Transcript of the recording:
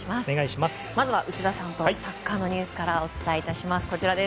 まずは内田さんとサッカーのニュースからお伝えいたします。